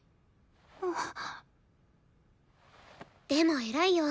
でも偉いよ。